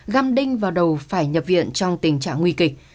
găm đinh vào đầu phải nhập viện trong tình trạng nguy kịch